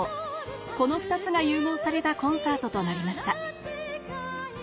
この２つが融合されたコンサートとなりました